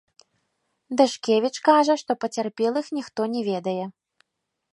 Дашкевіч кажа, што пацярпелых ніхто не ведае.